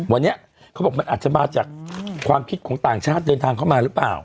วันนี้เขาบอกมันอาจจะมาจากความคิดของต่างชาติเดินทางเข้ามาหรือเปล่า